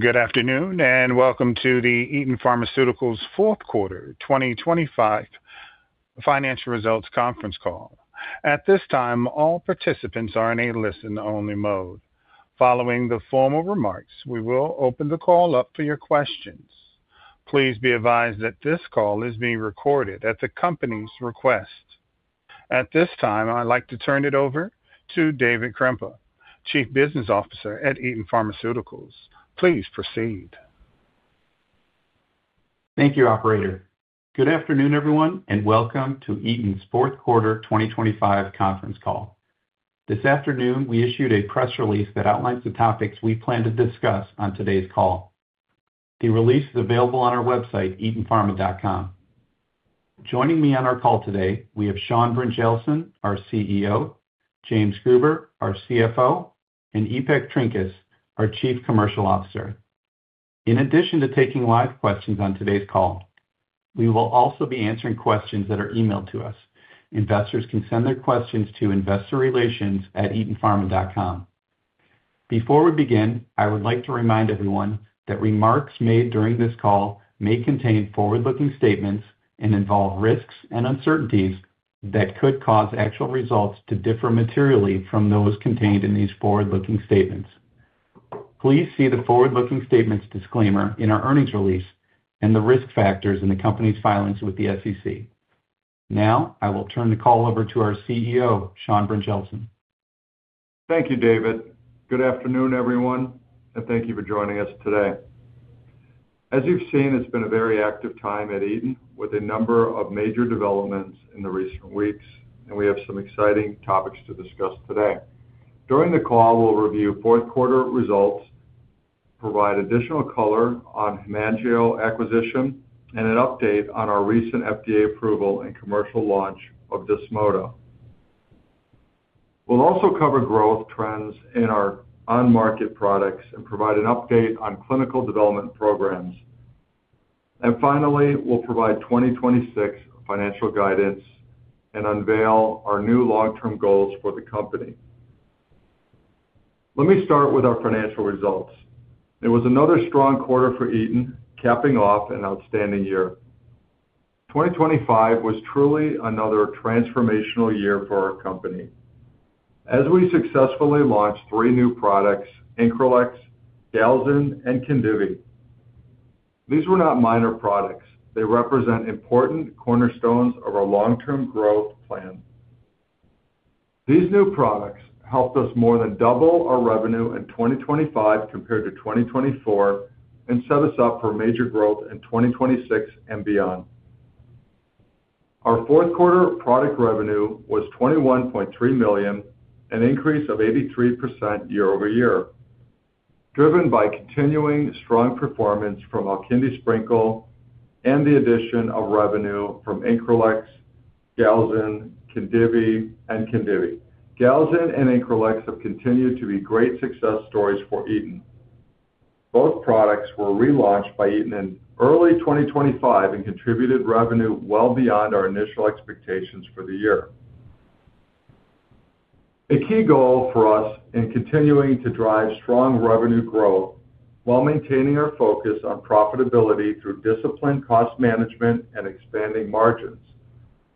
Good afternoon, and welcome to the Eton Pharmaceuticals fourth quarter 2025 financial results conference call. At this time, all participants are in a listen-only mode. Following the formal remarks, we will open the call up for your questions. Please be advised that this call is being recorded at the company's request. At this time, I'd like to turn it over to David Krempa, Chief Business Officer at Eton Pharmaceuticals. Please proceed. Thank you, operator. Good afternoon, everyone, and welcome to Eton's fourth quarter 2025 conference call. This afternoon, we issued a press release that outlines the topics we plan to discuss on today's call. The release is available on our website, etonpharma.com. Joining me on our call today, we have Sean Brynjelsen, our CEO, James Gruber, our CFO, and Ipek Erdogan-Trinkaus, our Chief Commercial Officer. In addition to taking live questions on today's call, we will also be answering questions that are emailed to us. Investors can send their questions to investorrelations@etonpharma.com. Before we begin, I would like to remind everyone that remarks made during this call may contain forward-looking statements and involve risks and uncertainties that could cause actual results to differ materially from those contained in these forward-looking statements. Please see the forward-looking statements disclaimer in our earnings release and the risk factors in the company's filings with the SEC. Now, I will turn the call over to our CEO, Sean Brynjelsen. Thank you, David. Good afternoon, everyone, and thank you for joining us today. As you've seen, it's been a very active time at Eton with a number of major developments in the recent weeks, and we have some exciting topics to discuss today. During the call, we'll review fourth quarter results, provide additional color on Hemangeol acquisition, and an update on our recent FDA approval and commercial launch of DESMODA. We'll also cover growth trends in our on-market products and provide an update on clinical development programs. We'll provide 2026 financial guidance and unveil our new long-term goals for the company. Let me start with our financial results. It was another strong quarter for Eton, capping off an outstanding year. 2025 was truly another transformational year for our company. As we successfully launched three new products, Increlex, Galzin, and KHINDIVI. These were not minor products. They represent important cornerstones of our long-term growth plan. These new products helped us more than double our revenue in 2025 compared to 2024 and set us up for major growth in 2026 and beyond. Our fourth quarter product revenue was $21.3 million, an increase of 83% year-over-year, driven by continuing strong performance from Alkindi Sprinkles and the addition of revenue from Increlex, Galzin, and KHINDIVI. Galzin and Increlex have continued to be great success stories for Eton. Both products were relaunched by Eton in early 2025 and contributed revenue well beyond our initial expectations for the year. A key goal for us in continuing to drive strong revenue growth while maintaining our focus on profitability through disciplined cost management and expanding margins.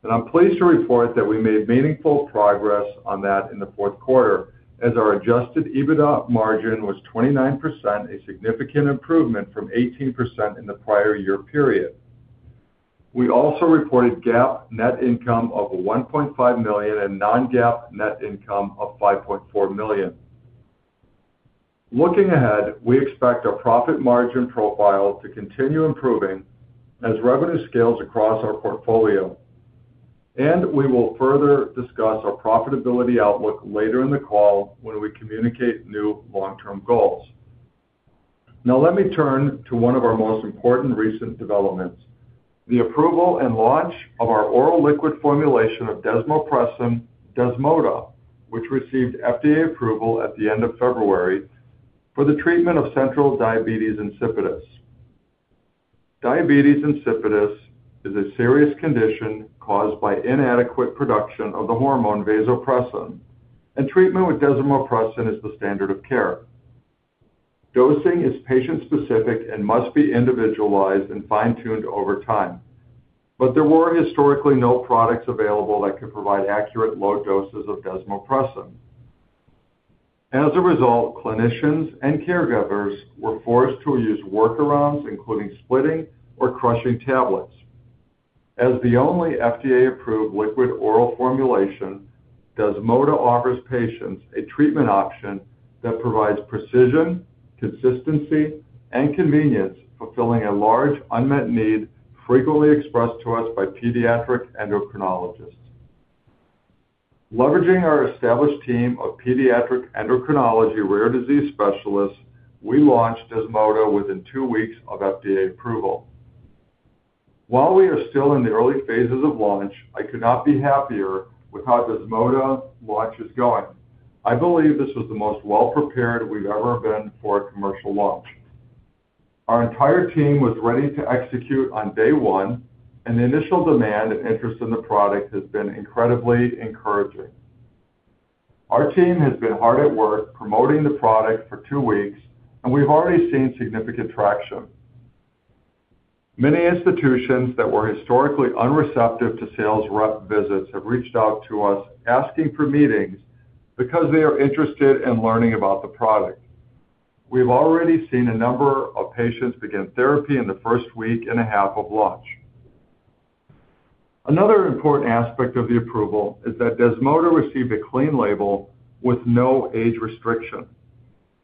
I'm pleased to report that we made meaningful progress on that in the fourth quarter as our adjusted EBITDA margin was 29%, a significant improvement from 18% in the prior year period. We also reported GAAP net income of $1.5 million and non-GAAP net income of $5.4 million. Looking ahead, we expect our profit margin profile to continue improving as revenue scales across our portfolio, and we will further discuss our profitability outlook later in the call when we communicate new long-term goals. Now let me turn to one of our most important recent developments, the approval and launch of our oral liquid formulation of desmopressin, DESMODA, which received FDA approval at the end of February for the treatment of central diabetes insipidus. Diabetes insipidus is a serious condition caused by inadequate production of the hormone vasopressin, and treatment with desmopressin is the standard of care. Dosing is patient-specific and must be individualized and fine-tuned over time. There were historically no products available that could provide accurate low doses of desmopressin. As a result, clinicians and caregivers were forced to use workarounds, including splitting or crushing tablets. As the only FDA-approved liquid oral formulation, DESMODA offers patients a treatment option that provides precision, consistency, and convenience, fulfilling a large unmet need frequently expressed to us by pediatric endocrinologists. Leveraging our established team of pediatric endocrinology rare disease specialists, we launched DESMODA within two weeks of FDA approval. While we are still in the early phases of launch, I could not be happier with how DESMODA launch is going. I believe this was the most well-prepared we've ever been for a commercial launch. Our entire team was ready to execute on day one, and the initial demand and interest in the product has been incredibly encouraging. Our team has been hard at work promoting the product for two weeks, and we've already seen significant traction. Many institutions that were historically unreceptive to sales rep visits have reached out to us asking for meetings because they are interested in learning about the product. We've already seen a number of patients begin therapy in the first week and a half of launch. Another important aspect of the approval is that DESMODA received a clean label with no age restriction.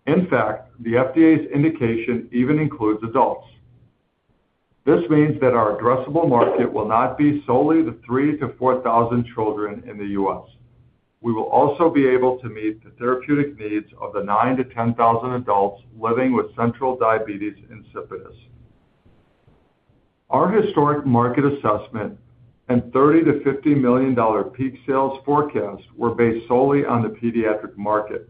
In fact, the FDA's indication even includes adults. This means that our addressable market will not be solely the 3,000-4,000 children in the U.S. We will also be able to meet the therapeutic needs of the 9,000-10,000 adults living with central diabetes insipidus. Our historic market assessment and $30 million-$50 million peak sales forecast were based solely on the pediatric market.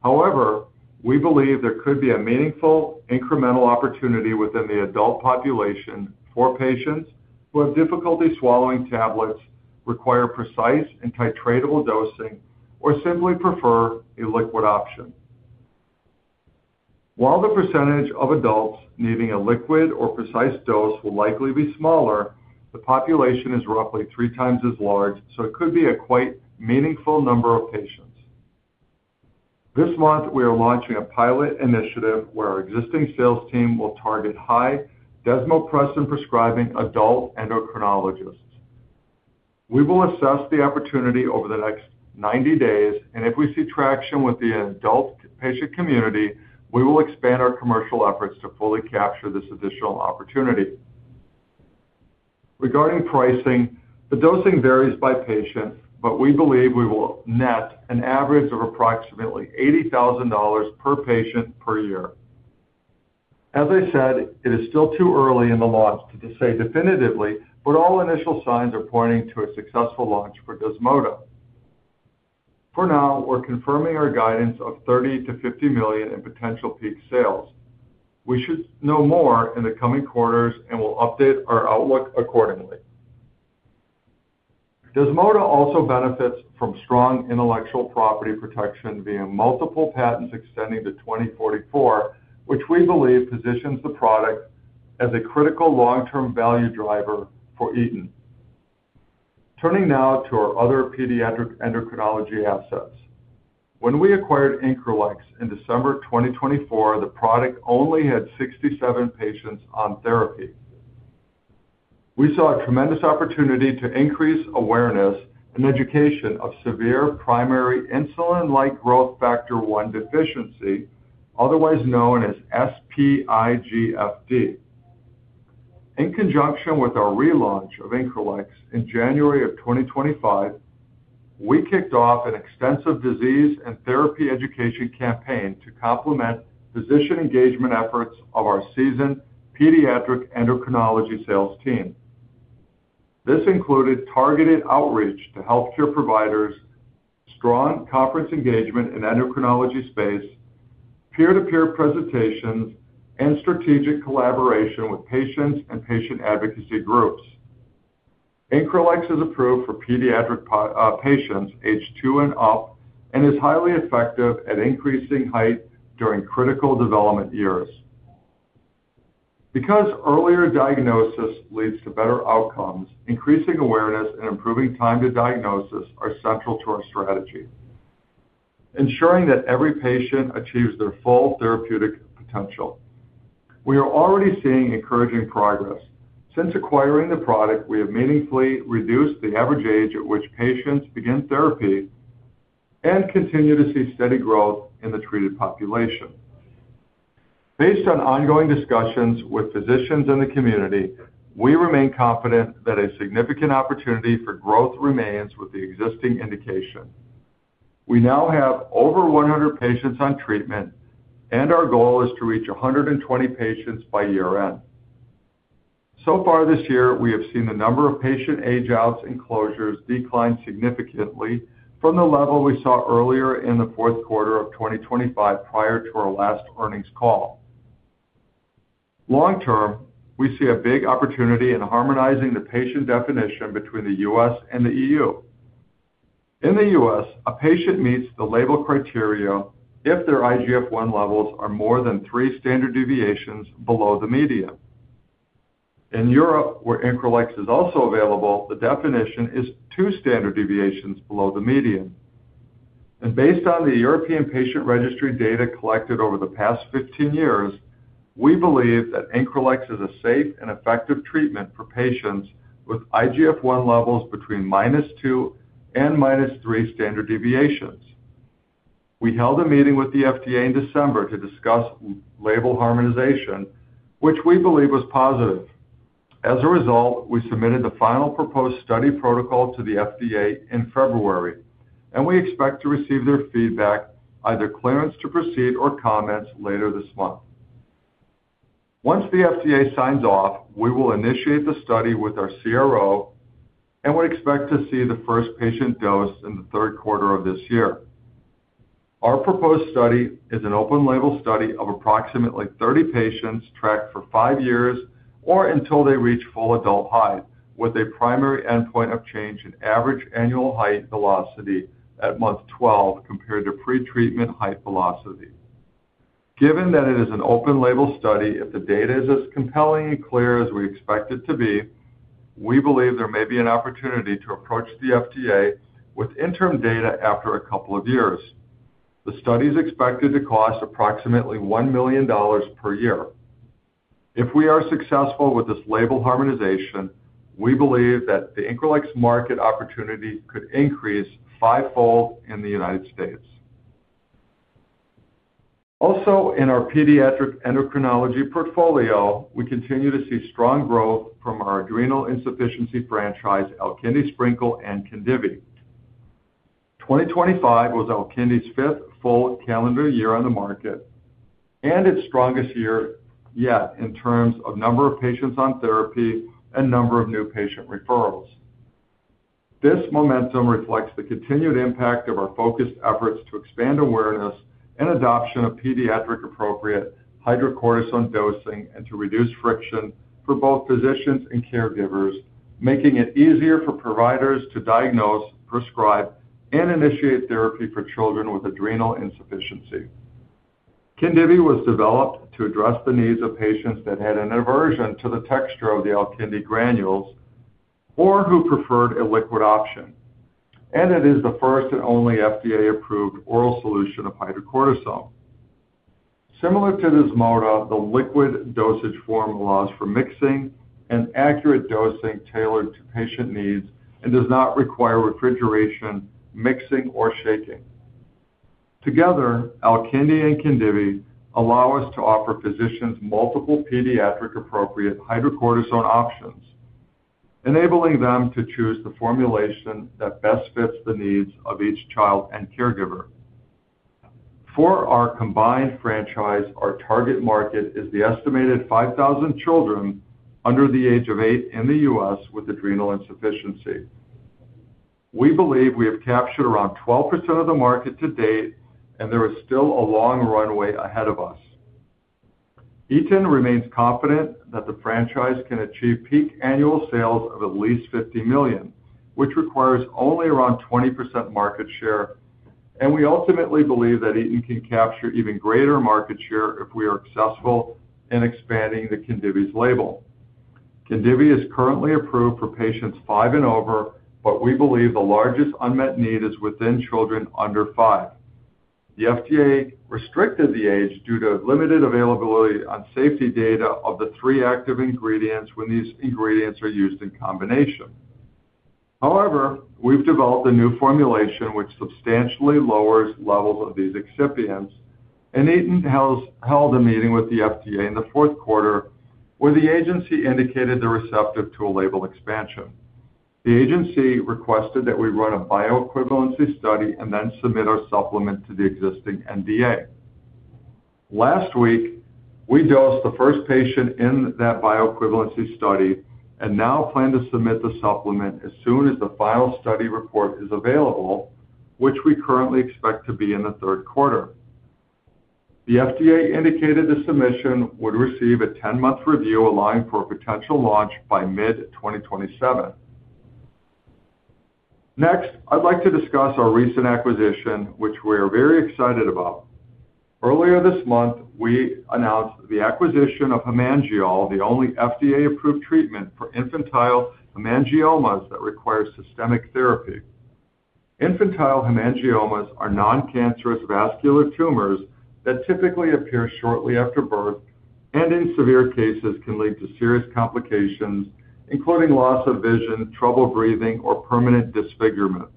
However, we believe there could be a meaningful incremental opportunity within the adult population for patients who have difficulty swallowing tablets, require precise and titratable dosing, or simply prefer a liquid option. While the percentage of adults needing a liquid or precise dose will likely be smaller, the population is roughly three times as large, so it could be a quite meaningful number of patients. This month, we are launching a pilot initiative where our existing sales team will target high desmopressin prescribing adult endocrinologists. We will assess the opportunity over the next 90 days, and if we see traction with the adult patient community, we will expand our commercial efforts to fully capture this additional opportunity. Regarding pricing, the dosing varies by patient, but we believe we will net an average of approximately $80,000 per patient per year. As I said, it is still too early in the launch to say definitively, but all initial signs are pointing to a successful launch for DESMODA. For now, we're confirming our guidance of $30 million-$50 million in potential peak sales. We should know more in the coming quarters and we'll update our outlook accordingly. DESMODA also benefits from strong intellectual property protection via multiple patents extending to 2044, which we believe positions the product as a critical long-term value driver for Eton. Turning now to our other pediatric endocrinology assets. When we acquired Increlex in December 2024, the product only had 67 patients on therapy. We saw a tremendous opportunity to increase awareness and education of severe primary insulin-like growth factor 1 deficiency, otherwise known as SPIGFD. In conjunction with our relaunch of Increlex in January of 2025, we kicked off an extensive disease and therapy education campaign to complement physician engagement efforts of our seasoned pediatric endocrinology sales team. This included targeted outreach to healthcare providers, strong conference engagement in endocrinology space, peer-to-peer presentations, and strategic collaboration with patients and patient advocacy groups. Increlex is approved for pediatric patients aged two and up and is highly effective at increasing height during critical development years. Because earlier diagnosis leads to better outcomes, increasing awareness and improving time to diagnosis are central to our strategy, ensuring that every patient achieves their full therapeutic potential. We are already seeing encouraging progress. Since acquiring the product, we have meaningfully reduced the average age at which patients begin therapy and continue to see steady growth in the treated population. Based on ongoing discussions with physicians in the community, we remain confident that a significant opportunity for growth remains with the existing indication. We now have over 100 patients on treatment, and our goal is to reach 120 patients by year-end. So far this year, we have seen the number of patient age-outs and closures decline significantly from the level we saw earlier in the fourth quarter of 2025 prior to our last earnings call. Long-term, we see a big opportunity in harmonizing the patient definition between the U.S. and the E.U. In the U.S., a patient meets the label criteria if their IGF-I levels are more than 3 standard deviations below the median. In Europe, where Increlex is also available, the definition is two standard deviations below the median. Based on the European patient registry data collected over the past 15 years, we believe that Increlex is a safe and effective treatment for patients with IGF-I levels between minus 2 and minus 3 standard deviations. We held a meeting with the FDA in December to discuss label harmonization, which we believe was positive. As a result, we submitted the final proposed study protocol to the FDA in February, and we expect to receive their feedback, either clearance to proceed or comments, later this month. Once the FDA signs off, we will initiate the study with our CRO, and we expect to see the first patient dose in the third quarter of this year. Our proposed study is an open-label study of approximately 30 patients tracked for five years or until they reach full adult height, with a primary endpoint of change in average annual height velocity at month 12 compared to pretreatment height velocity. Given that it is an open-label study, if the data is as compelling and clear as we expect it to be, we believe there may be an opportunity to approach the FDA with interim data after a couple of years. The study is expected to cost approximately $1 million per year. If we are successful with this label harmonization, we believe that the Increlex market opportunity could increase five-fold in the United States. Also, in our pediatric endocrinology portfolio, we continue to see strong growth from our adrenal insufficiency franchise, Alkindi Sprinkle and KHINDIVI. 2025 was Alkindi's fifth full calendar year on the market and its strongest year yet in terms of number of patients on therapy and number of new patient referrals. This momentum reflects the continued impact of our focused efforts to expand awareness and adoption of pediatric-appropriate hydrocortisone dosing and to reduce friction for both physicians and caregivers, making it easier for providers to diagnose, prescribe, and initiate therapy for children with adrenal insufficiency. KHINDIVI was developed to address the needs of patients that had an aversion to the texture of the Alkindi granules or who preferred a liquid option, and it is the first and only FDA-approved oral solution of hydrocortisone. Similar to Zymar, the liquid dosage form allows for mixing and accurate dosing tailored to patient needs and does not require refrigeration, mixing, or shaking. Together, Alkindi and KHINDIVI allow us to offer physicians multiple pediatric-appropriate hydrocortisone options, enabling them to choose the formulation that best fits the needs of each child and caregiver. For our combined franchise, our target market is the estimated 5,000 children under the age of eight in the U.S. with adrenal insufficiency. We believe we have captured around 12% of the market to date, and there is still a long runway ahead of us. Eton remains confident that the franchise can achieve peak annual sales of at least $50 million, which requires only around 20% market share, and we ultimately believe that Eton can capture even greater market share if we are successful in expanding the KHINDIVI's label. KHINDIVI is currently approved for patients five and over, but we believe the largest unmet need is within children under five. The FDA restricted the age due to limited availability on safety data of the three active ingredients when these ingredients are used in combination. However, we've developed a new formulation which substantially lowers levels of these excipients, and Eton held a meeting with the FDA in the fourth quarter where the agency indicated they're receptive to a label expansion. The agency requested that we run a bioequivalence study and then submit our supplement to the existing NDA. Last week, we dosed the first patient in that bioequivalence study and now plan to submit the supplement as soon as the final study report is available, which we currently expect to be in the third quarter. The FDA indicated the submission would receive a 10-month review aligned for a potential launch by mid-2027. Next, I'd like to discuss our recent acquisition, which we are very excited about. Earlier this month, we announced the acquisition of HEMANGEOL, the only FDA-approved treatment for infantile hemangiomas that require systemic therapy. Infantile hemangiomas are non-cancerous vascular tumors that typically appear shortly after birth and in severe cases can lead to serious complications, including loss of vision, trouble breathing, or permanent disfigurement.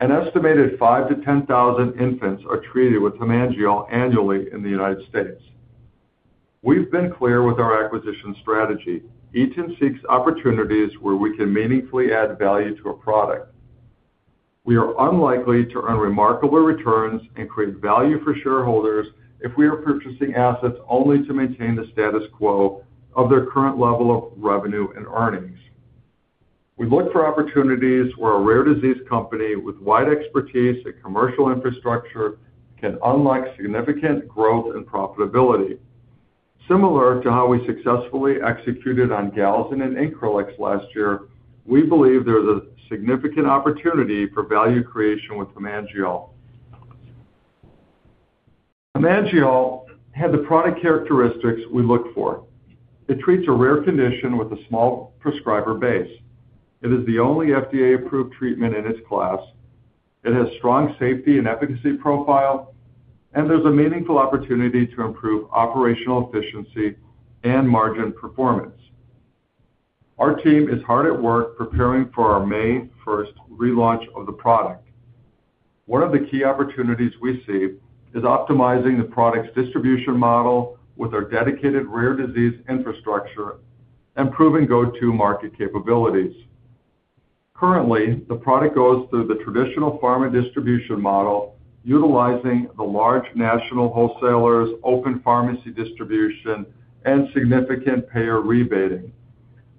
An estimated 5,000-10,000 infants are treated with HEMANGEOL annually in the United States. We've been clear with our acquisition strategy. Eton seeks opportunities where we can meaningfully add value to a product. We are unlikely to earn remarkable returns and create value for shareholders if we are purchasing assets only to maintain the status quo of their current level of revenue and earnings. We look for opportunities where a rare disease company with wide expertise and commercial infrastructure can unlock significant growth and profitability. Similar to how we successfully executed on Galzin and Increlex last year, we believe there is a significant opportunity for value creation with HEMANGEOL. HEMANGEOL had the product characteristics we look for. It treats a rare condition with a small prescriber base. It is the only FDA-approved treatment in its class. It has strong safety and efficacy profile, and there's a meaningful opportunity to improve operational efficiency and margin performance. Our team is hard at work preparing for our May 1 relaunch of the product. One of the key opportunities we see is optimizing the product's distribution model with our dedicated rare disease infrastructure, improving go-to market capabilities. Currently, the product goes through the traditional pharma distribution model, utilizing the large national wholesalers, open pharmacy distribution, and significant payer rebating.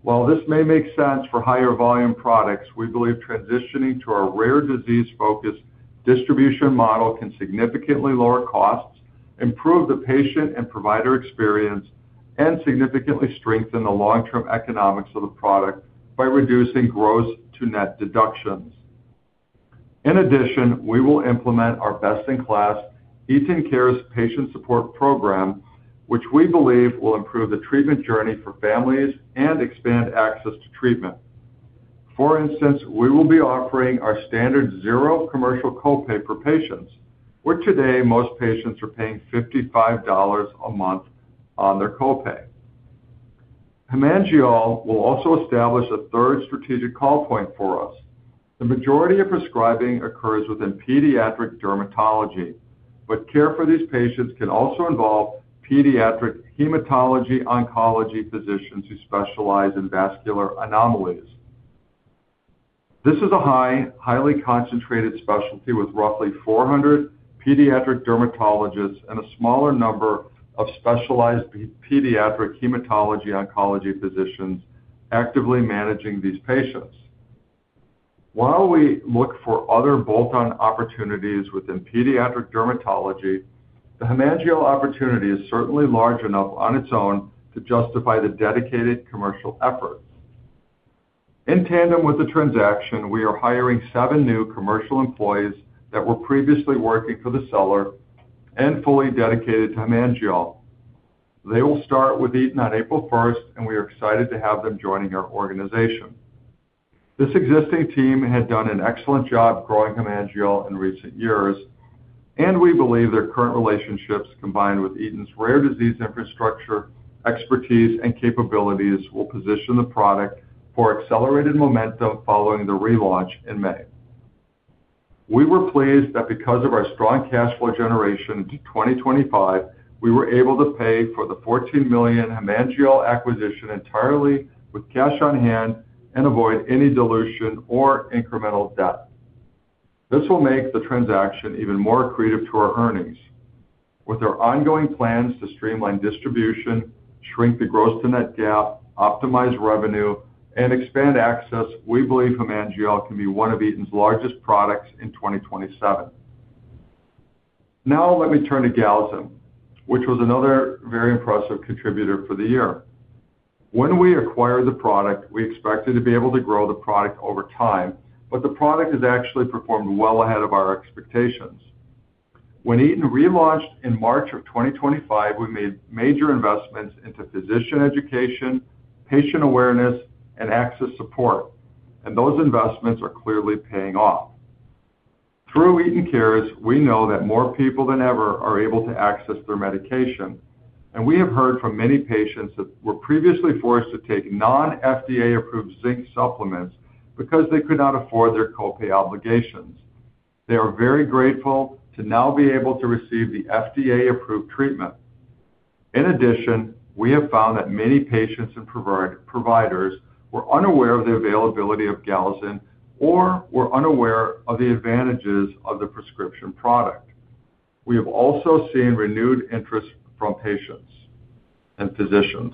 While this may make sense for higher volume products, we believe transitioning to our rare disease-focused distribution model can significantly lower costs, improve the patient and provider experience, and significantly strengthen the long-term economics of the product by reducing gross to net deductions. In addition, we will implement our best-in-class Eton Cares patient support program, which we believe will improve the treatment journey for families and expand access to treatment. For instance, we will be offering our standard zero commercial copay for patients, where today, most patients are paying $55 a month on their copay. HEMANGEOL will also establish a third strategic call point for us. The majority of prescribing occurs within pediatric dermatology, but care for these patients can also involve pediatric hematology oncology physicians who specialize in vascular anomalies. This is a highly concentrated specialty with roughly 400 pediatric dermatologists and a smaller number of specialized pediatric hematology oncology physicians actively managing these patients. While we look for other bolt-on opportunities within pediatric dermatology, the HEMANGEOL opportunity is certainly large enough on its own to justify the dedicated commercial efforts. In tandem with the transaction, we are hiring seven new commercial employees that were previously working for the seller and fully dedicated to HEMANGEOL. They will start with Eton on April first, and we are excited to have them joining our organization. This existing team had done an excellent job growing HEMANGEOL in recent years, and we believe their current relationships, combined with Eton's rare disease infrastructure, expertise, and capabilities, will position the product for accelerated momentum following the relaunch in May. We were pleased that because of our strong cash flow generation into 2025, we were able to pay for the $14 million HEMANGEOL acquisition entirely with cash on hand and avoid any dilution or incremental debt. This will make the transaction even more accretive to our earnings. With our ongoing plans to streamline distribution, shrink the gross to net gap, optimize revenue, and expand access, we believe HEMANGEOL can be one of Eton's largest products in 2027. Now let me turn to Galzin, which was another very impressive contributor for the year. When we acquired the product, we expected to be able to grow the product over time, but the product has actually performed well ahead of our expectations. When Eton relaunched in March of 2025, we made major investments into physician education, patient awareness, and access support, and those investments are clearly paying off. Through Eton Cares, we know that more people than ever are able to access their medication, and we have heard from many patients that were previously forced to take non-FDA-approved zinc supplements because they could not afford their copay obligations. They are very grateful to now be able to receive the FDA-approved treatment. In addition, we have found that many patients and providers were unaware of the availability of Galzin or were unaware of the advantages of the prescription product. We have also seen renewed interest from patients and physicians.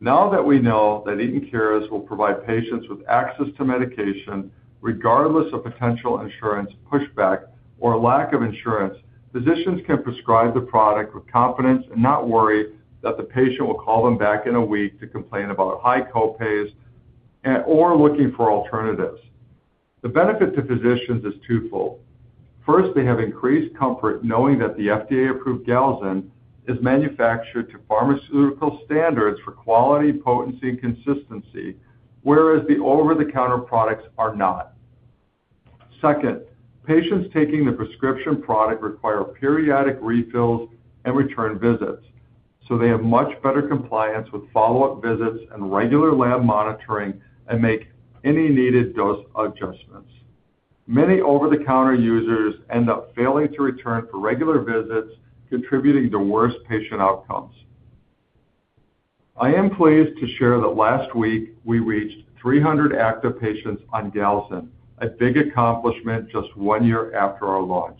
Now that we know that Eton Cares will provide patients with access to medication regardless of potential insurance pushback or lack of insurance, physicians can prescribe the product with confidence and not worry that the patient will call them back in a week to complain about high copays or looking for alternatives. The benefit to physicians is twofold. First, they have increased comfort knowing that the FDA-approved Galzin is manufactured to pharmaceutical standards for quality, potency, and consistency, whereas the over-the-counter products are not. Second, patients taking the prescription product require periodic refills and return visits, so they have much better compliance with follow-up visits and regular lab monitoring and make any needed dose adjustments. Many over-the-counter users end up failing to return for regular visits, contributing to worse patient outcomes. I am pleased to share that last week, we reached 300 active patients on Galzin, a big accomplishment just one year after our launch.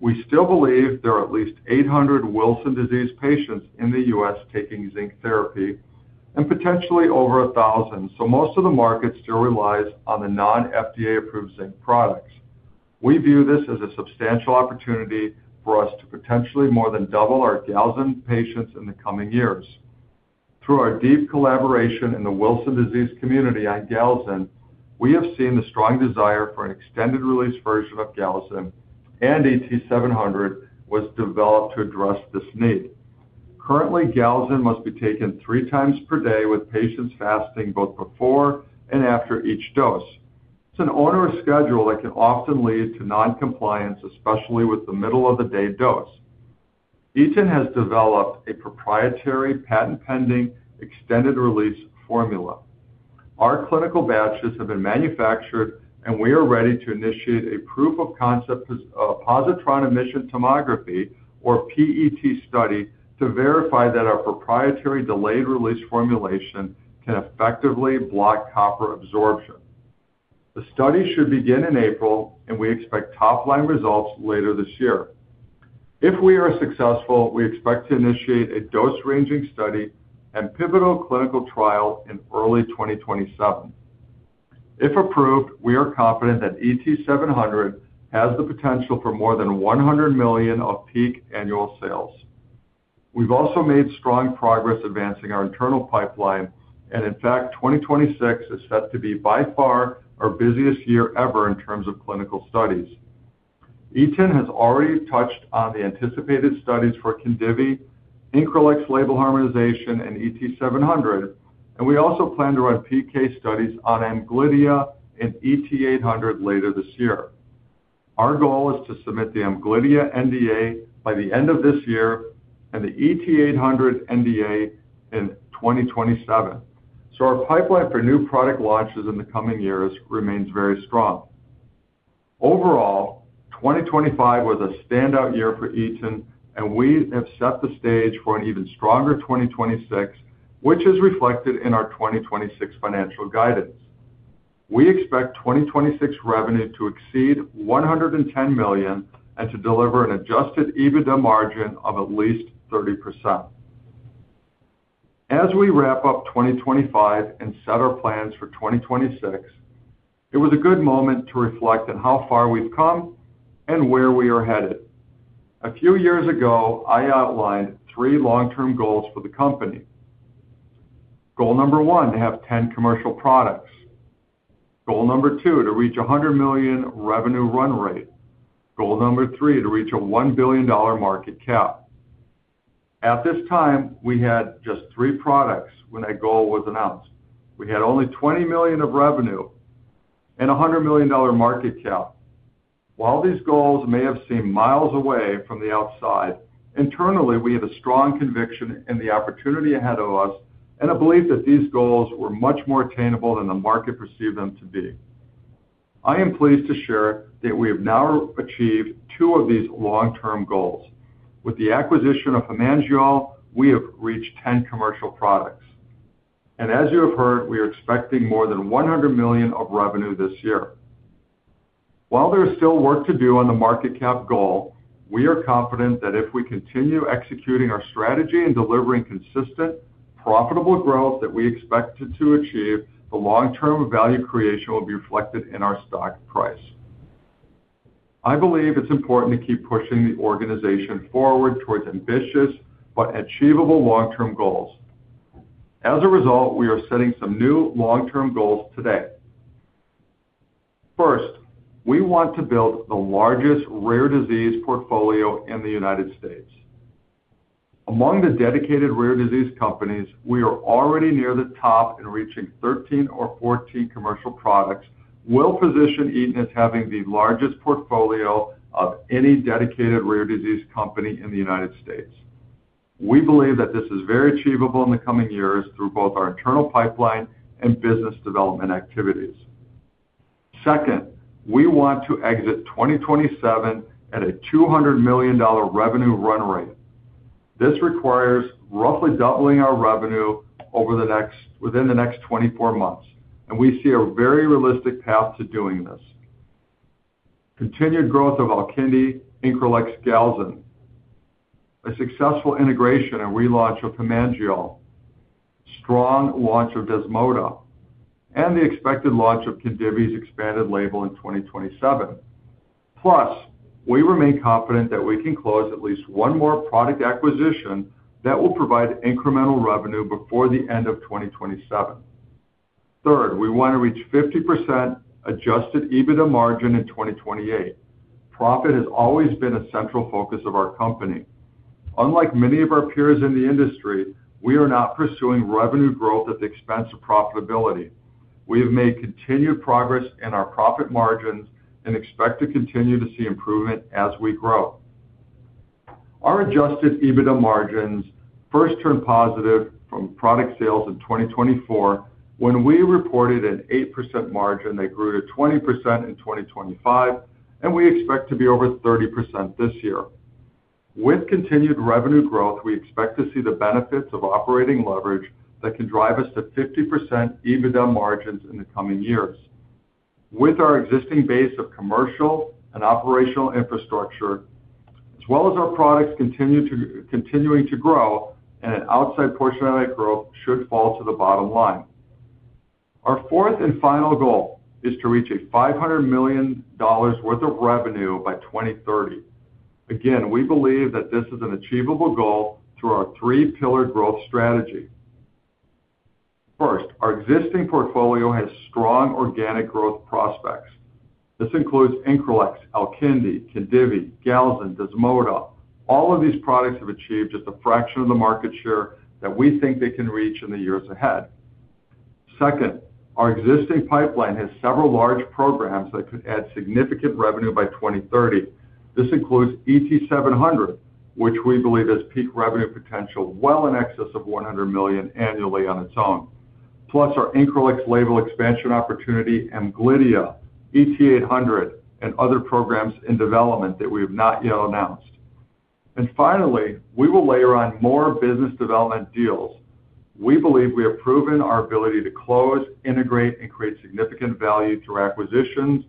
We still believe there are at least 800 Wilson's disease patients in the U.S. taking zinc therapy and potentially over 1,000, so most of the market still relies on the non-FDA-approved zinc products. We view this as a substantial opportunity for us to potentially more than double our Galzin patients in the coming years. Through our deep collaboration in the Wilson's disease community on Galzin, we have seen the strong desire for an extended-release version of Galzin, and ET-700 was developed to address this need. Currently, Galzin must be taken 3 times per day with patients fasting both before and after each dose. It's an onerous schedule that can often lead to noncompliance, especially with the middle-of-the-day dose. Eton has developed a proprietary patent-pending extended-release formula. Our clinical batches have been manufactured, and we are ready to initiate a proof-of-concept positron emission tomography or PET study to verify that our proprietary delayed-release formulation can effectively block copper absorption. The study should begin in April, and we expect top-line results later this year. If we are successful, we expect to initiate a dose-ranging study and pivotal clinical trial in early 2027. If approved, we are confident that ET-700 has the potential for more than $100 million of peak annual sales. We've also made strong progress advancing our internal pipeline, and in fact, 2026 is set to be by far our busiest year ever in terms of clinical studies. Eton has already touched on the anticipated studies for KHINDIVI, Increlex label harmonization, and ET-700, and we also plan to run PK studies on Amglidia and ET-800 later this year. Our goal is to submit the Amglidia NDA by the end of this year and the ET-800 NDA in 2027. Our pipeline for new product launches in the coming years remains very strong. Overall, 2025 was a standout year for Eton, and we have set the stage for an even stronger 2026, which is reflected in our 2026 financial guidance. We expect 2026 revenue to exceed $110 million and to deliver an adjusted EBITDA margin of at least 30%. As we wrap up 2025 and set our plans for 2026, it was a good moment to reflect on how far we've come and where we are headed. A few years ago, I outlined three long-term goals for the company. Goal number one, to have 10 commercial products. Goal number two, to reach a $100 million revenue run rate. Goal number three, to reach a $1 billion market cap. At this time, we had just three products when that goal was announced. We had only $20 million of revenue and a $100 million market cap. While these goals may have seemed miles away from the outside, internally, we had a strong conviction in the opportunity ahead of us and a belief that these goals were much more attainable than the market perceived them to be. I am pleased to share that we have now achieved two of these long-term goals. With the acquisition of HEMANGEOL, we have reached 10 commercial products. As you have heard, we are expecting more than $100 million of revenue this year. While there is still work to do on the market cap goal, we are confident that if we continue executing our strategy and delivering consistent, profitable growth that we expect to achieve, the long-term value creation will be reflected in our stock price. I believe it's important to keep pushing the organization forward towards ambitious but achievable long-term goals. As a result, we are setting some new long-term goals today. First, we want to build the largest rare disease portfolio in the United States. Among the dedicated rare disease companies, we are already near the top, and reaching 13 or 14 commercial products will position Eton as having the largest portfolio of any dedicated rare disease company in the United States. We believe that this is very achievable in the coming years through both our internal pipeline and business development activities. Second, we want to exit 2027 at a $200 million revenue run rate. This requires roughly doubling our revenue within the next 24 months, and we see a very realistic path to doing this. Continued growth of Alkindi, Increlex, Galzin, a successful integration and relaunch of HEMANGEOL, strong launch of DESMODA, and the expected launch of KHINDIVI's expanded label in 2027. We remain confident that we can close at least one more product acquisition that will provide incremental revenue before the end of 2027. Third, we want to reach 50% adjusted EBITDA margin in 2028. Profit has always been a central focus of our company. Unlike many of our peers in the industry, we are not pursuing revenue growth at the expense of profitability. We have made continued progress in our profit margins and expect to continue to see improvement as we grow. Our adjusted EBITDA margins first turned positive from product sales in 2024 when we reported an 8% margin that grew to 20% in 2025, and we expect to be over 30% this year. With continued revenue growth, we expect to see the benefits of operating leverage that can drive us to 50% EBITDA margins in the coming years. With our existing base of commercial and operational infrastructure, as well as our products continuing to grow and an outside portion of that growth should fall to the bottom line. Our fourth and final goal is to reach $500 million worth of revenue by 2030. Again, we believe that this is an achievable goal through our three-pillared growth strategy. First, our existing portfolio has strong organic growth prospects. This includes Increlex, Alkindi, KHINDIVI, Galzin, DESMODA. All of these products have achieved just a fraction of the market share that we think they can reach in the years ahead. Second, our existing pipeline has several large programs that could add significant revenue by 2030. This includes ET-700, which we believe has peak revenue potential well in excess of $100 million annually on its own, plus our Increlex label expansion opportunity, Amglidia, ET-800, and other programs in development that we have not yet announced. Finally, we will layer on more business development deals. We believe we have proven our ability to close, integrate, and create significant value through acquisitions,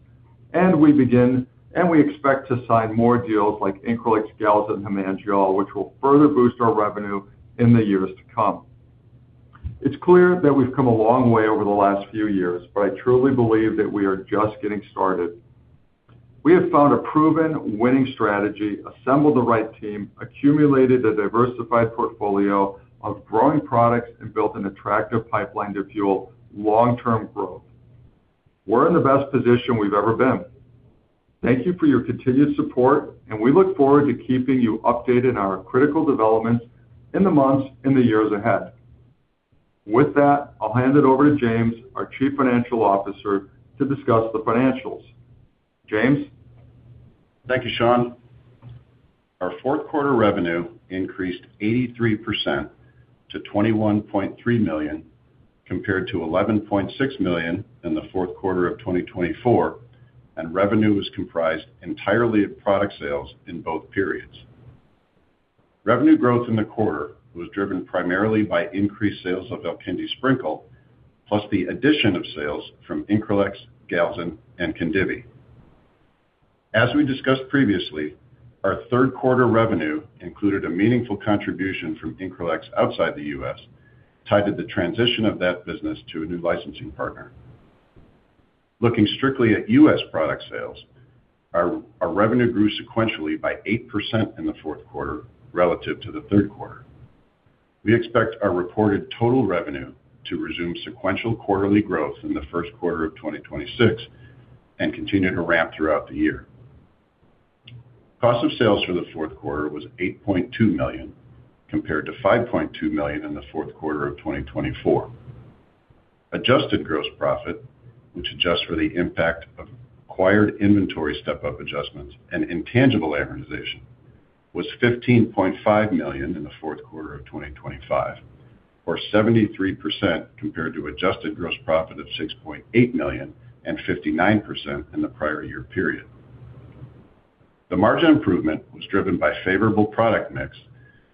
and we expect to sign more deals like Increlex, Galzin, and HEMANGEOL, which will further boost our revenue in the years to come. It's clear that we've come a long way over the last few years, but I truly believe that we are just getting started. We have found a proven winning strategy, assembled the right team, accumulated a diversified portfolio of growing products, and built an attractive pipeline to fuel long-term growth. We're in the best position we've ever been. Thank you for your continued support, and we look forward to keeping you updated on our critical developments in the months and the years ahead. With that, I'll hand it over to James, our Chief Financial Officer, to discuss the financials. James? Thank you, Sean. Our fourth quarter revenue increased 83% to $21.3 million, compared to $11.6 million in the fourth quarter of 2024, and revenue was comprised entirely of product sales in both periods. Revenue growth in the quarter was driven primarily by increased sales of Alkindi Sprinkle, plus the addition of sales from Increlex, Galzin, and KHINDIVI. As we discussed previously, our third quarter revenue included a meaningful contribution from Increlex outside the U.S., tied to the transition of that business to a new licensing partner. Looking strictly at U.S. product sales, our revenue grew sequentially by 8% in the fourth quarter relative to the third quarter. We expect our reported total revenue to resume sequential quarterly growth in the first quarter of 2026 and continue to ramp throughout the year. Cost of sales for the fourth quarter was $8.2 million, compared to $5.2 million in the fourth quarter of 2024. Adjusted gross profit, which adjusts for the impact of acquired inventory step-up adjustments and intangible amortization, was $15.5 million in the fourth quarter of 2025, or 73% compared to adjusted gross profit of $6.8 million and 59% in the prior year period. The margin improvement was driven by favorable product mix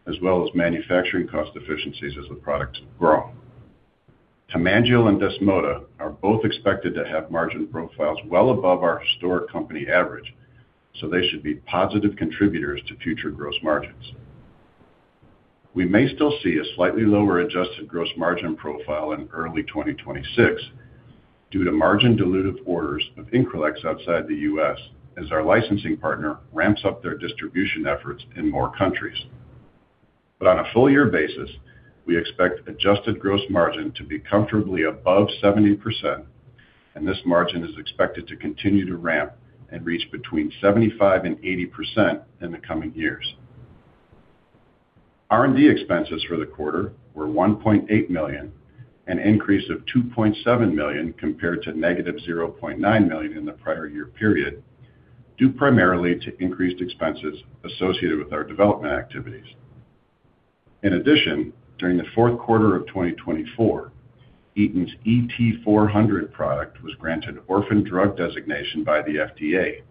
as well as manufacturing cost efficiencies as the products have grown. HEMANGEOL and DESMODA are both expected to have margin profiles well above our historic company average, so they should be positive contributors to future gross margins. We may still see a slightly lower adjusted gross margin profile in early 2026 due to margin dilutive orders of Increlex outside the U.S. as our licensing partner ramps up their distribution efforts in more countries. On a full year basis, we expect adjusted gross margin to be comfortably above 70%, and this margin is expected to continue to ramp and reach between 75% and 80% in the coming years. R&D expenses for the quarter were $1.8 million, an increase of $2.7 million compared to -$0.9 million in the prior year period, due primarily to increased expenses associated with our development activities. In addition, during the fourth quarter of 2024, Eton's ET-400 product was granted orphan drug designation by the FDA,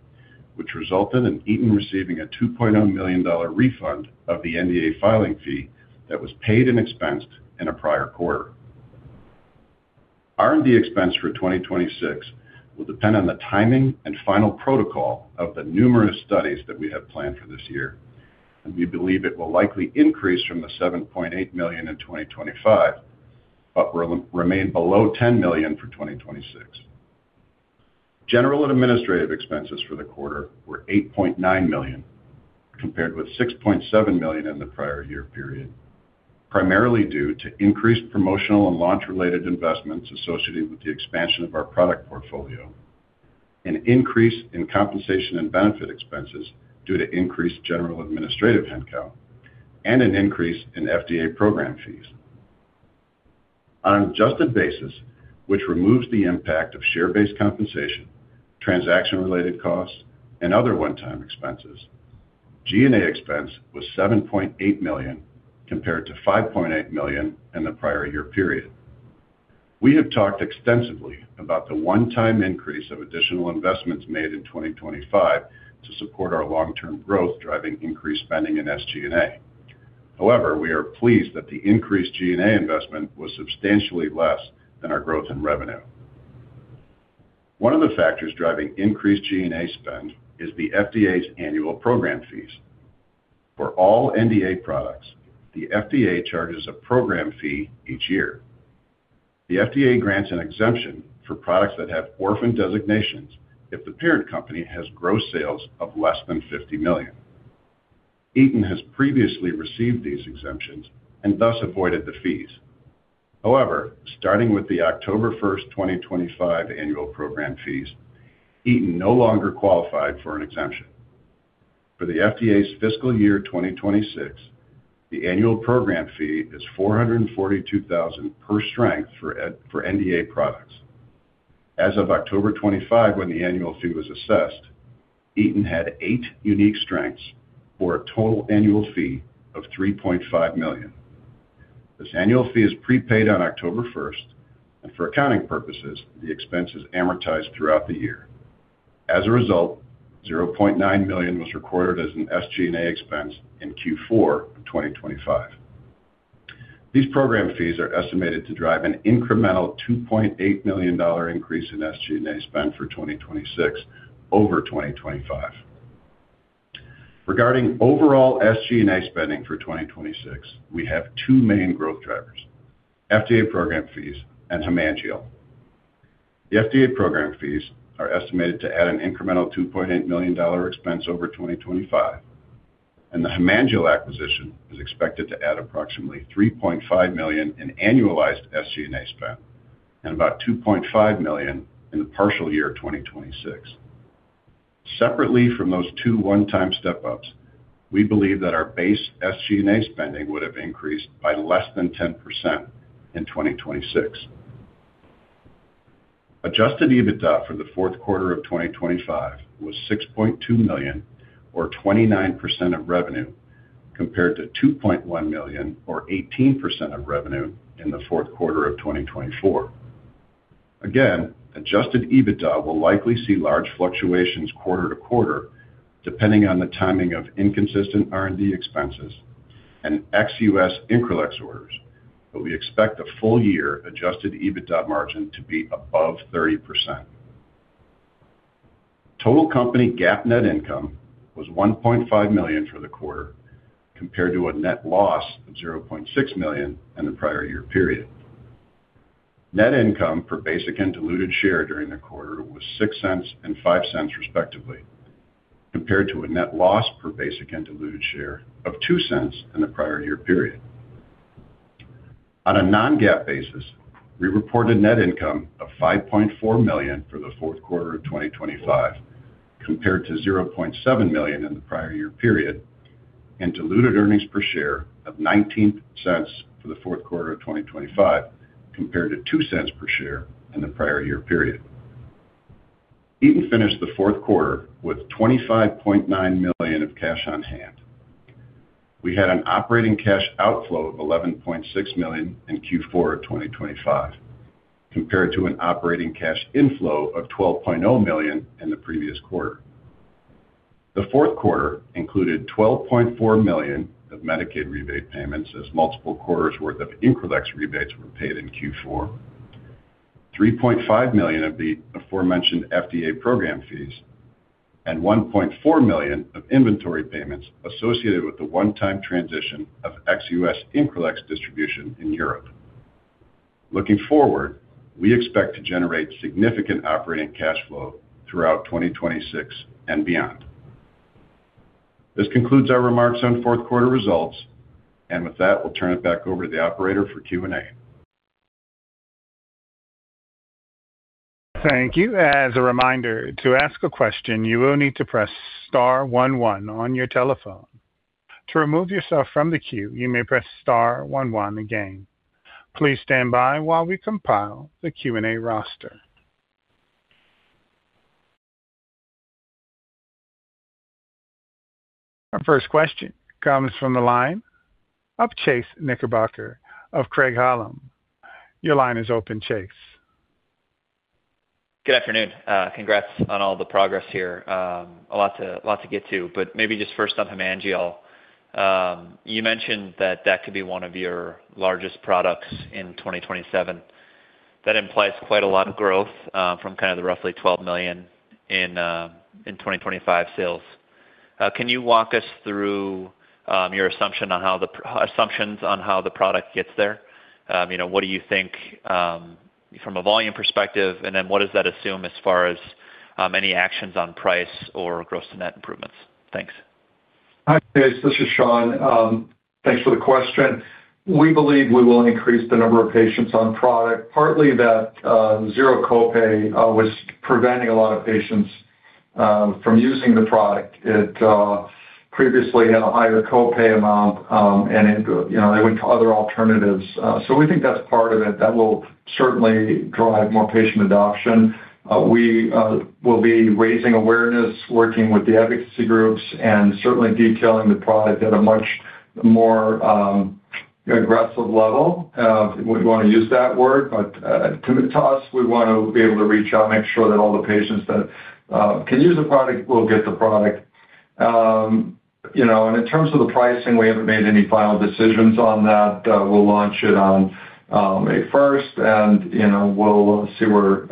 which resulted in Eton receiving a $2.0 million refund of the NDA filing fee that was paid and expensed in a prior quarter. R&D expense for 2026 will depend on the timing and final protocol of the numerous studies that we have planned for this year, and we believe it will likely increase from the $7.8 million in 2025, but will remain below $10 million for 2026. General and administrative expenses for the quarter were $8.9 million, compared with $6.7 million in the prior year period, primarily due to increased promotional and launch-related investments associated with the expansion of our product portfolio, an increase in compensation and benefit expenses due to increased general administrative headcount, and an increase in FDA program fees. On an adjusted basis, which removes the impact of share-based compensation, transaction-related costs, and other one-time expenses, G&A expense was $7.8 million, compared to $5.8 million in the prior year period. We have talked extensively about the one-time increase of additional investments made in 2025 to support our long-term growth, driving increased spending in SG&A. However, we are pleased that the increased G&A investment was substantially less than our growth in revenue. One of the factors driving increased G&A spend is the FDA's annual program fees. For all NDA products, the FDA charges a program fee each year. The FDA grants an exemption for products that have orphan designations if the parent company has gross sales of less than $50 million. Eton has previously received these exemptions and thus avoided the fees. However, starting with the October 1, 2025 annual program fees, Eton no longer qualified for an exemption. For the FDA's fiscal year 2026, the annual program fee is $442,000 per strength for NDA products. As of October 25, when the annual fee was assessed, Eton had eight unique strengths for a total annual fee of $3.5 million. This annual fee is prepaid on October 1, and for accounting purposes, the expense is amortized throughout the year. As a result, $0.9 million was recorded as an SG&A expense in Q4 2025. These program fees are estimated to drive an incremental $2.8 million increase in SG&A spend for 2026 over 2025. Regarding overall SG&A spending for 2026, we have two main growth drivers, FDA program fees and HEMANGEOL. The FDA program fees are estimated to add an incremental $2.8 million expense over 2025, and the HEMANGEOL acquisition is expected to add approximately $3.5 million in annualized SG&A spend and about $2.5 million in the partial year 2026. Separately from those two one-time step-ups, we believe that our base SG&A spending would have increased by less than 10% in 2026. Adjusted EBITDA for the fourth quarter of 2025 was $6.2 million or 29% of revenue, compared to $2.1 million or 18% of revenue in the fourth quarter of 2024. Again, adjusted EBITDA will likely see large fluctuations quarter to quarter, depending on the timing of inconsistent R&D expenses and ex-US Increlex orders, but we expect a full-year adjusted EBITDA margin to be above 30%. Total company GAAP net income was $1.5 million for the quarter, compared to a net loss of $0.6 million in the prior year period. Net income per basic and diluted share during the quarter was $0.06 and $0.05 respectively, compared to a net loss per basic and diluted share of $0.02 in the prior year period. On a non-GAAP basis, we reported net income of $5.4 million for the fourth quarter of 2025, compared to $0.7 million in the prior year period, and diluted earnings per share of $0.19 for the fourth quarter of 2025, compared to $0.02 per share in the prior year period. Eton finished the fourth quarter with $25.9 million of cash on hand. We had an operating cash outflow of $11.6 million in Q4 of 2025, compared to an operating cash inflow of $12.0 million in the previous quarter. The fourth quarter included $12.4 million of Medicaid rebate payments as multiple quarters' worth of Increlex rebates were paid in Q4, $3.5 million of the aforementioned FDA program fees, and $1.4 million of inventory payments associated with the one-time transition of ex-US Increlex distribution in Europe. Looking forward, we expect to generate significant operating cash flow throughout 2026 and beyond. This concludes our remarks on fourth quarter results. With that, we'll turn it back over to the operator for Q&A. Thank you. As a reminder, to ask a question, you will need to press star one one on your telephone. To remove yourself from the queue, you may press star one one again. Please stand by while we compile the Q&A roster. Our first question comes from the line of Chase Knickerbocker of Craig-Hallum. Your line is open, Chase. Good afternoon. Congrats on all the progress here. A lot to get to, but maybe just first on HEMANGEOL. You mentioned that could be one of your largest products in 2027. That implies quite a lot of growth from kind of the roughly $12 million in 2025 sales. Can you walk us through your assumptions on how the product gets there? You know, what do you think from a volume perspective? And then what does that assume as far as any actions on price or gross to net improvements? Thanks. Hi, Chase. This is Sean. Thanks for the question. We believe we will increase the number of patients on product, partly that zero copay was preventing a lot of patients from using the product. It previously had a higher copay amount, and you know, they went to other alternatives. We think that's part of it. That will certainly drive more patient adoption. We will be raising awareness, working with the advocacy groups, and certainly detailing the product at a much more aggressive level, if we wanna use that word. With us, we want to be able to reach out, make sure that all the patients that can use the product will get the product. You know, in terms of the pricing, we haven't made any final decisions on that. We'll launch it on May first, and you know, we'll see where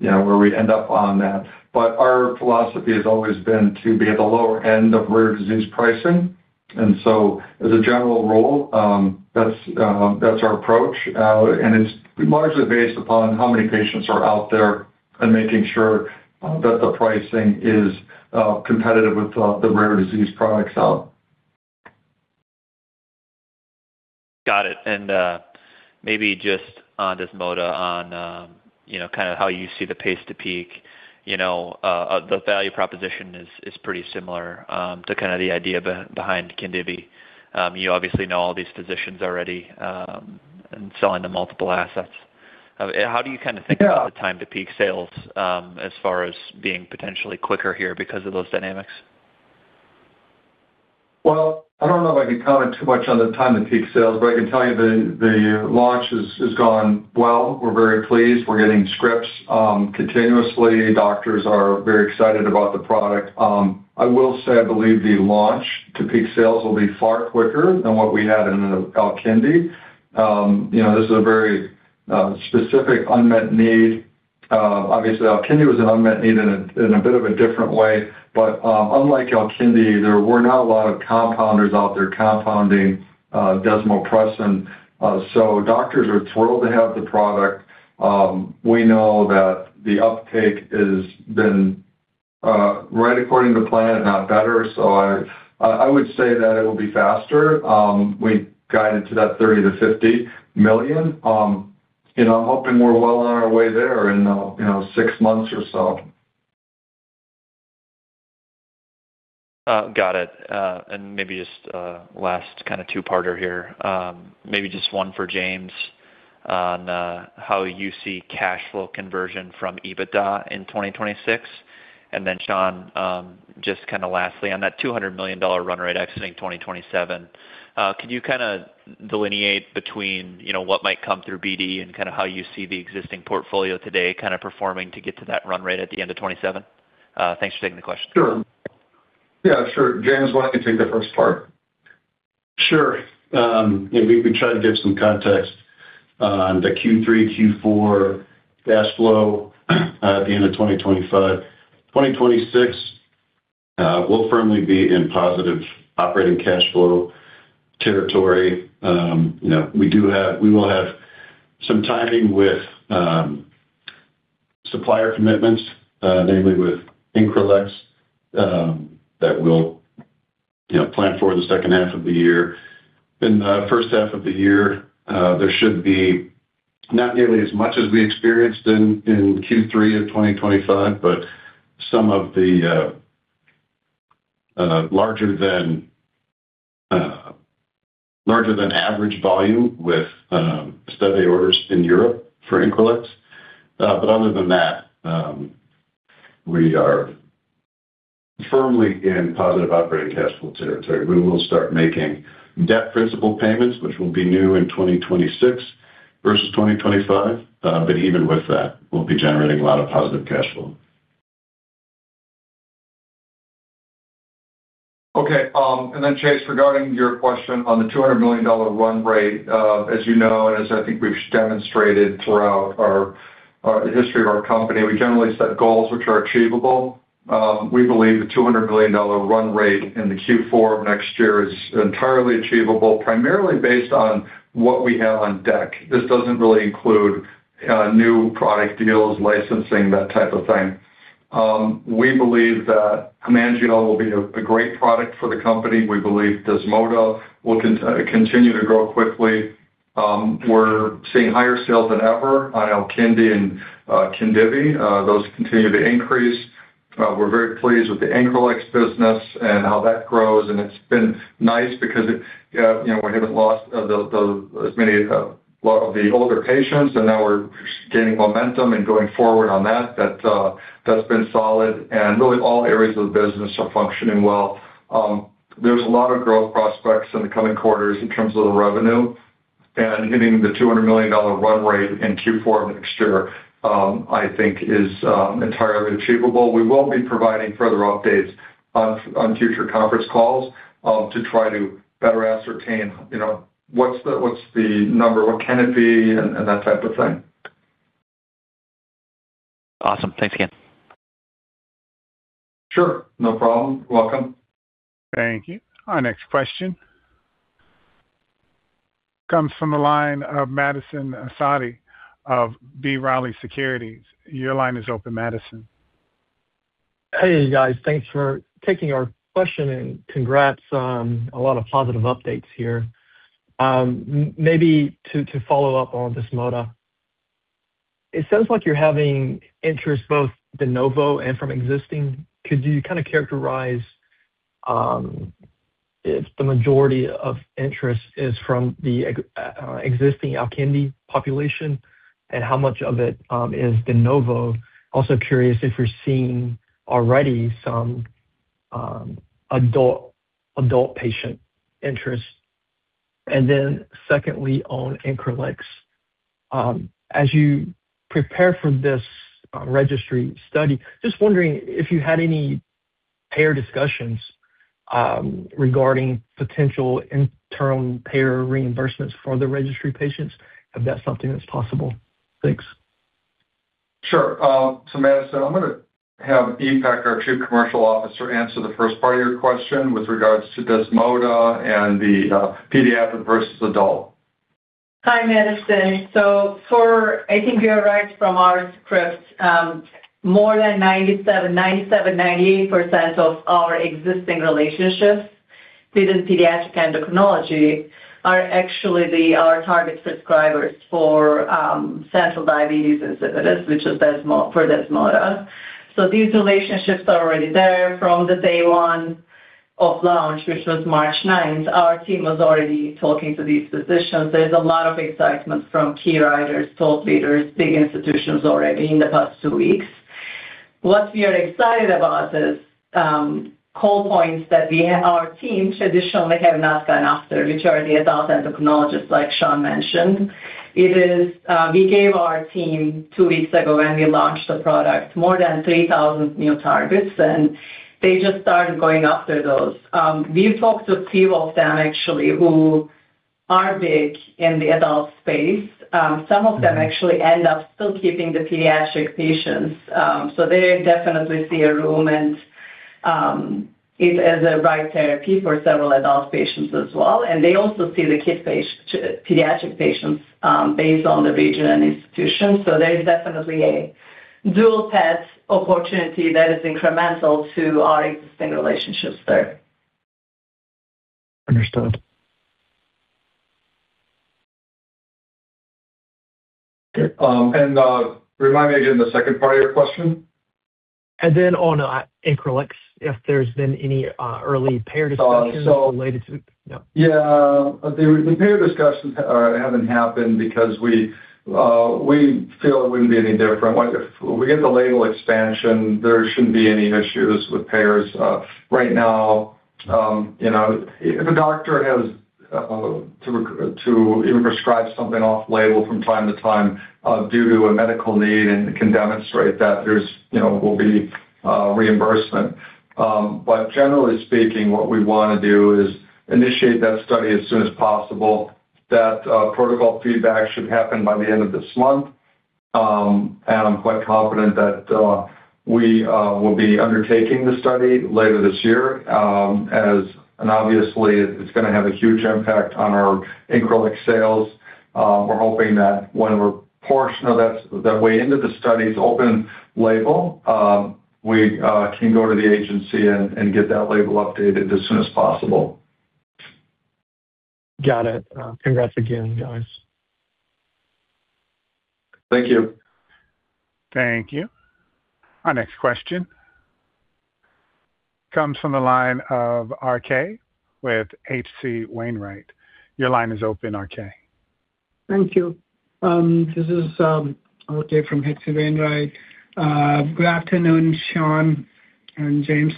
you know where we end up on that. Our philosophy has always been to be at the lower end of rare disease pricing. As a general rule, that's our approach. It's largely based upon how many patients are out there and making sure that the pricing is competitive with the rare disease products out. Got it. Maybe just on DESMODA, you know, kinda how you see the pace to peak. You know, the value proposition is pretty similar to kinda the idea behind KHINDIVI. You obviously know all these physicians already, and selling the multiple assets. How do you kinda think- Yeah. About the time to peak sales, as far as being potentially quicker here because of those dynamics? Well, I don't know if I can comment too much on the time to peak sales, but I can tell you the launch has gone well. We're very pleased. We're getting scripts continuously. Doctors are very excited about the product. I will say I believe the launch to peak sales will be far quicker than what we had in the Alkindi. You know, this is a very specific unmet need. Obviously Alkindi was an unmet need in a bit of a different way, but unlike Alkindi, there were not a lot of compounders out there compounding desmopressin. So doctors are thrilled to have the product. We know that the uptake has been right according to plan, if not better. I would say that it will be faster. We guided to that $30 million-$50 million. I'm hoping we're well on our way there in, you know, six months or so. Got it. Maybe just a last kind of two-parter here. Maybe just one for James on how you see cash flow conversion from EBITDA in 2026. Sean, just kinda lastly on that $200 million run rate exiting 2027, can you kinda delineate between, you know, what might come through BD and kinda how you see the existing portfolio today kinda performing to get to that run rate at the end of 2027? Thanks for taking the question. Sure. Yeah, sure. James, why don't you take the first part? Sure. Yeah, we can try to give some context on the Q3, Q4 cash flow at the end of 2025. 2026, we'll firmly be in positive operating cash flow territory. You know, we will have some timing with supplier commitments, namely with Increlex, that we'll, you know, plan for the second half of the year. In the first half of the year, there should be not nearly as much as we experienced in Q3 of 2025, but some of the larger than average volume with study orders in Europe for Increlex. Other than that, we are firmly in positive operating cash flow territory. We will start making debt principal payments, which will be new in 2026 versus 2025. Even with that, we'll be generating a lot of positive cash flow. Okay, Chase, regarding your question on the $200 million run rate, as you know, and as I think we've demonstrated throughout our history of our company, we generally set goals which are achievable. We believe the $200 million run rate in the Q4 of next year is entirely achievable, primarily based on what we have on deck. This doesn't really include new product deals, licensing, that type of thing. We believe that HEMANGEOL will be a great product for the company. We believe DESMODA will continue to grow quickly. We're seeing higher sales than ever on Alkindi and KHINDIVI. Those continue to increase. We're very pleased with the Increlex business and how that grows, and it's been nice because it, you know, we haven't lost a lot of the older patients, and now we're gaining momentum and going forward on that. That's been solid. Really all areas of the business are functioning well. There's a lot of growth prospects in the coming quarters in terms of the revenue. Hitting the $200 million run rate in Q4 of next year, I think is entirely achievable. We will be providing further updates on future conference calls to try to better ascertain, you know, what's the number, what can it be, and that type of thing. Awesome. Thanks again. Sure. No problem. Welcome. Thank you. Our next question comes from the line of Madison El-Saadi of B. Riley Securities. Your line is open, Madison. Hey, guys. Thanks for taking our question, and congrats on a lot of positive updates here. Maybe to follow up on DESMODA, it sounds like you're having interest both de novo and from existing. Could you kinda characterize if the majority of interest is from the existing Alkindi population, and how much of it is de novo? Also curious if you're seeing already some adult patient interest. Secondly, on Increlex, as you prepare for this registry study, just wondering if you had any payer discussions regarding potential interim payer reimbursements for the registry patients. If that's something that's possible. Thanks. Sure. Madison, I'm gonna have Ipek Erdogan-Trinkaus, our Chief Commercial Officer, answer the first part of your question with regards to DESMODA and the pediatric versus adult. Hi, Madison. I think you're right from our scripts. More than 97%-98% of our existing relationships within pediatric endocrinology are actually target subscribers for central diabetes insipidus, which is for DESMODA. These relationships are already there from the day one of launch, which was March ninth. Our team was already talking to these physicians. There's a lot of excitement from key writers, thought leaders, big institutions already in the past two weeks. What we are excited about is call points that our team traditionally have not gone after, which are the adult endocrinologists, like Sean mentioned. It is we gave our team two weeks ago when we launched the product, more than 3,000 new targets, and they just started going after those. We talked with few of them actually who are big in the adult space. Some of them actually end up still keeping the pediatric patients. They definitely see a role and it as a right therapy for several adult patients as well. They also see the pediatric patients based on the region and institution. There's definitely a dual path opportunity that is incremental to our existing relationships there. Understood. Remind me again the second part of your question. On Increlex, if there's been any early payer discussions related to. No. Yeah. The payer discussions haven't happened because we feel it wouldn't be any different. If we get the label expansion, there shouldn't be any issues with payers right now. You know, if a doctor has to even prescribe something off-label from time to time due to a medical need and can demonstrate that there will be reimbursement. Generally speaking, what we wanna do is initiate that study as soon as possible. That protocol feedback should happen by the end of this month. I'm quite confident that we will be undertaking the study later this year. Obviously it's gonna have a huge impact on our Increlex sales. We're hoping that when we're portion of that way into the study's open label, we can go to the agency and get that label updated as soon as possible. Got it. Congrats again, guys. Thank you. Thank you. Our next question comes from the line of RK with H.C. Wainwright. Your line is open, RK. Thank you. This is RK from H.C. Wainwright. Good afternoon, Sean and James.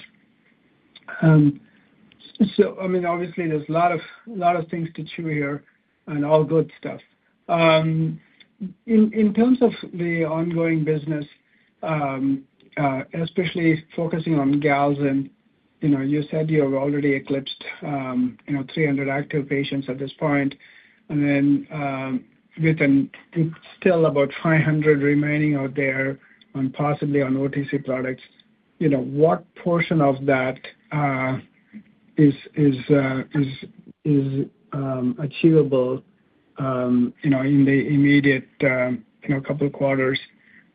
I mean, obviously there's a lot of things to chew here and all good stuff. In terms of the ongoing business, especially focusing on Galzin, you know, you said you have already eclipsed 300 active patients at this point. Then, with and still about 500 remaining out there and possibly on OTC products, you know, what portion of that is achievable, you know, in the immediate couple of quarters?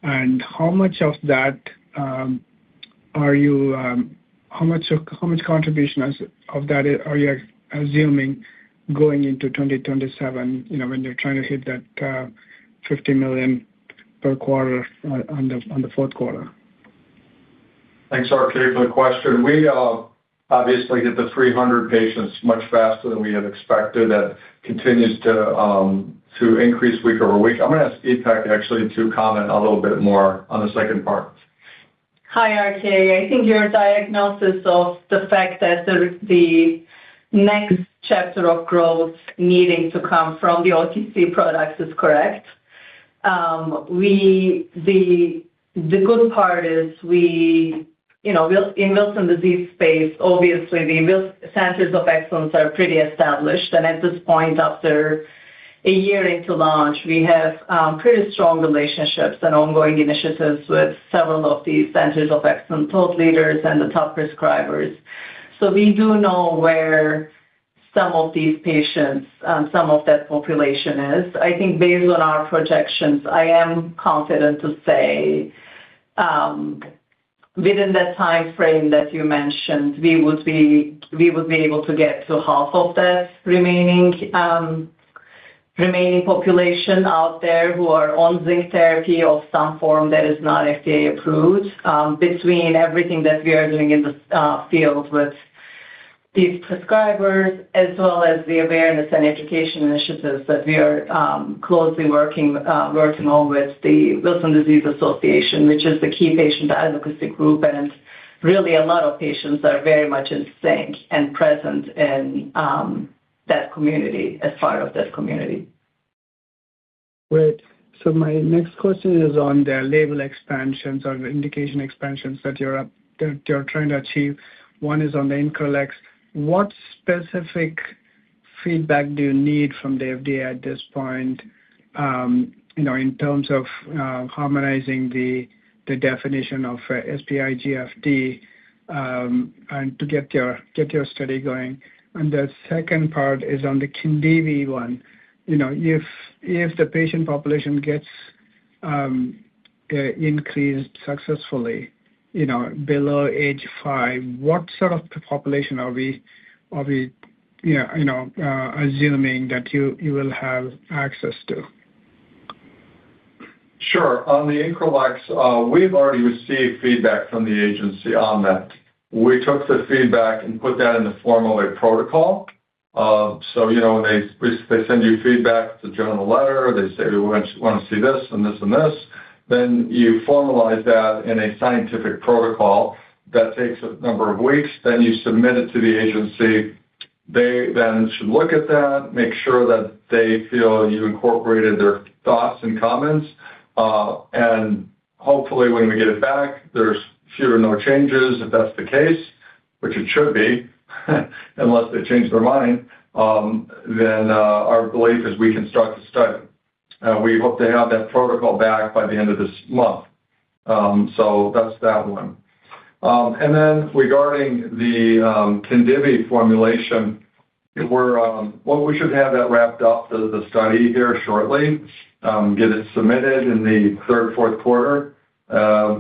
How much contribution of that are you assuming going into 2027, you know, when you're trying to hit that $50 million per quarter on the fourth quarter? Thanks, RK, for the question. We obviously hit the 300 patients much faster than we had expected. That continues to increase week over week. I'm gonna ask İpek actually to comment a little bit more on the second part. Hi, RK. I think your diagnosis of the fact that there's the next chapter of growth needing to come from the OTC products is correct. The good part is we, you know, in Wilson disease space, obviously the Wilson centers of excellence are pretty established. At this point, after a year into launch, we have pretty strong relationships and ongoing initiatives with several of these centers of excellence, top leaders and the top prescribers. We do know where some of these patients, some of that population is. I think based on our projections, I am confident to say, within that timeframe that you mentioned, we would be able to get to half of that remaining population out there who are on zinc therapy of some form that is not FDA-approved, between everything that we are doing in this field with these prescribers as well as the awareness and education initiatives that we are closely working on with the Wilson Disease Association, which is the key patient advocacy group. Really a lot of patients are very much in sync and present in that community as part of that community. Great. My next question is on the label expansions or indication expansions that you're trying to achieve. One is on the Increlex. What specific feedback do you need from the FDA at this point, you know, in terms of harmonizing the definition of SPIGFD, and to get your study going? The second part is on the KHINDIVI one. You know, if the patient population gets increased successfully, you know, below age five, what sort of population are we, you know, assuming that you will have access to? Sure. On the Increlex, we've already received feedback from the agency on that. We took the feedback and put that in the form of a protocol. You know, when they send you feedback, the general letter, they say, "We want to see this and this and this." Then you formalize that in a scientific protocol that takes a number of weeks, then you submit it to the agency. They then should look at that, make sure that they feel you incorporated their thoughts and comments. Hopefully when we get it back, there's few or no changes. If that's the case, which it should be, unless they change their mind, our belief is we can start the study. We hope to have that protocol back by the end of this month. That's that one. Regarding the Khindivi formulation, we should have that wrapped up to the study here shortly, get it submitted in the third, fourth quarter,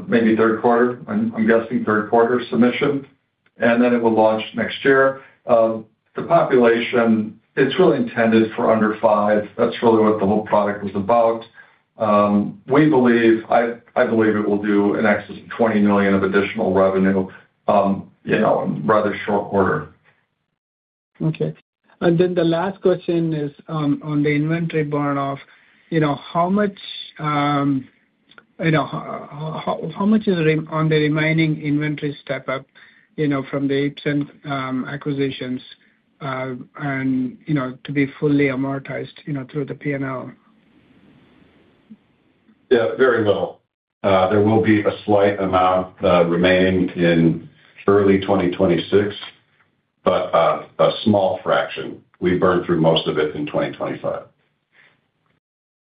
maybe third quarter. I'm guessing third quarter submission. It will launch next year. The population, it's really intended for under five. That's really what the whole product was about. We believe, I believe it will do an excess of $20 million of additional revenue, you know, in rather short order. Okay. The last question is on the inventory burn off. You know, how much is on the remaining inventory step up, you know, from the APIs and acquisitions, and you know to be fully amortized, you know, through the P&L? Yeah, very little. There will be a slight amount remaining in early 2026, but a small fraction. We burned through most of it in 2025.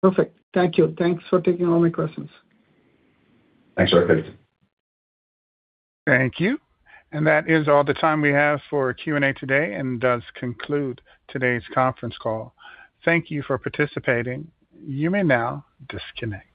Perfect. Thank you. Thanks for taking all my questions. Thanks, Swayampakula Ramakanth. Thank you. That is all the time we have for Q&A today and does conclude today's conference call. Thank you for participating. You may now disconnect.